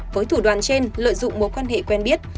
với thủ đoàn trên lợi dụng mối quan hệ quen biết